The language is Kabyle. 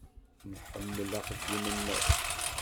Nḥemmel axeddim-nneɣ.